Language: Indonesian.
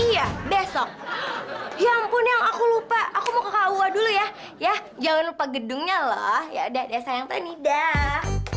iya besok ya ampun yang aku lupa aku mau ke kaua dulu ya ya jangan lupa gedungnya loh ya udah sayang tony dah